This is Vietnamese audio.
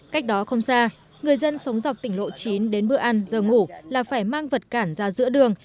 cách đó không xa người dân sống dọc tỉnh lộ chín đến bữa ăn giờ ngủ là phải mang vật cản ra giữa đường